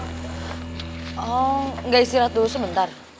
siap siap siap